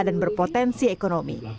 dan berpotensi ekonomi